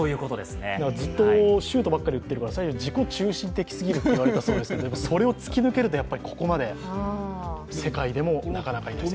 ずっとシュートばっかり打ってるから、最近、自己中心すぎるって言われたそうですけどそれを突き抜けると、やっぱりここまで、世界でもなかなかいないです。